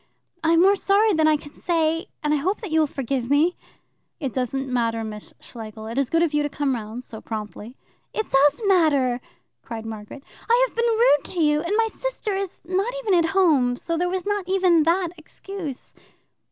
"I am more sorry than I can say, and I hope that you will forgive me." "It doesn't matter, Miss Schlegel. It is good of you to have come round so promptly." "It does matter," cried Margaret. "I have been rude to you; and my sister is not even at home, so there was not even that excuse.